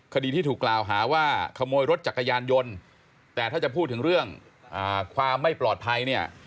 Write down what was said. คดีที่ถูกกล่าวหาว่าขโมยรถจักรยานยนต์แต่ถ้าจะพูดถึงเรื่องความไม่ปลอดภัยเนี่ย